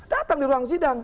datang di ruang sidang